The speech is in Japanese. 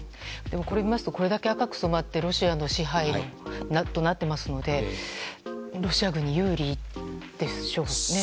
これを見ますとこれだけ赤く染まってロシアの支配となっていますのでロシア軍に有利でしょうね。